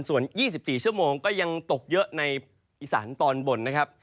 ส่วน๒๔ชั่วโมงก็ยังตกเยอะในอีสานตอนบนนะครับ